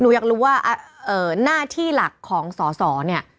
อยากรู้ว่าหน้าที่หลักของสอสอเนี่ย